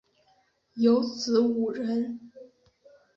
有子五人